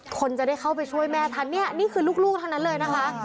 คนจะได้เข้าไปช่วยแม่ทันเนี่ยนี่คือลูกทั้งนั้นเลยนะคะ